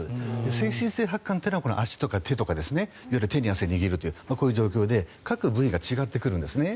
精神性発汗というのは足とか手とか手に汗握るというこういう状況でかく部位が違ってくるんです。